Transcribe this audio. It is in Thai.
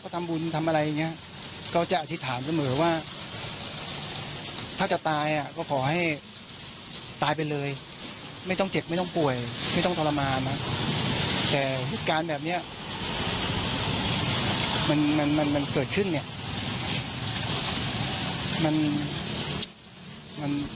ตายไปเลยไม่ต้องเจ็ดไม่ต้องป่วยไม่ต้องทรมานครับแต่เหตุการณ์แบบนี้มันเกิดขึ้น